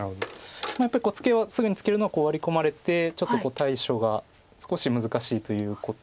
やっぱりツケはすぐにツケるのはワリ込まれてちょっと対処が少し難しいということで。